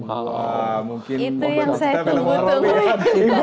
itu yang saya tunggu tunggu